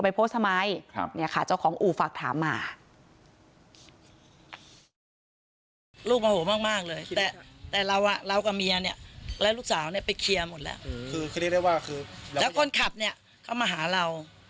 ในโพสต์สมัยเจ้าของอู่ฟักถามมา